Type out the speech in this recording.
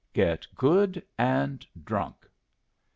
"Get good and drunk."